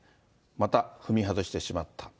また踏み外してしまった。